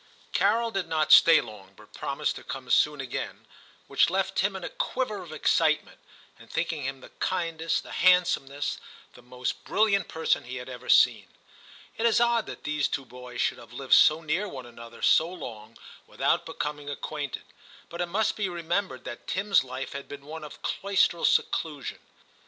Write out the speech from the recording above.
Carol did not stay long, but promised to come soon again, which left Tim in a quiver of excitement, and thinking him the kindest, the handsomest, the most brilliant person he had ever seen. It is odd that these two boys should have lived so near one another so long without becoming acquainted ; but it must be remembered that Tim*s life had been one of cloistral seclusion.